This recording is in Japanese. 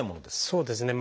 そうですね。